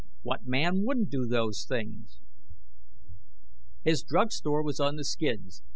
What man wouldn't do those things? His drug store was on the skids.